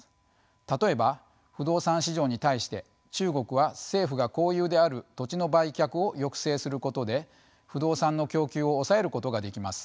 例えば不動産市場に対して中国は政府が公有である土地の売却を抑制することで不動産の供給を抑えることができます。